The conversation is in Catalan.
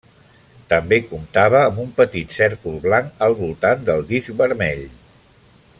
També comptava amb un petit cèrcol blanc al voltant del disc vermell.